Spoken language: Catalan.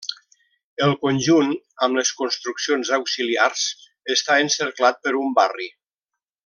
El conjunt, amb les construccions auxiliars, està encerclat per un barri.